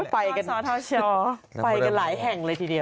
ไปกันไปกันหลายแห่งเลยทีเดียว